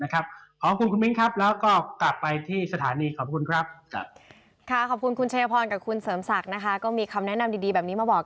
ขอบคุณคุณมิ้งครับแล้วก็กลับไปที่สถานีขอบคุณครับ